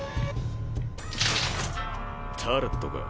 タレットか。